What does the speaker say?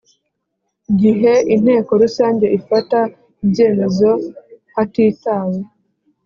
Gihe inteko rusange ifata ibyemezo hatitawe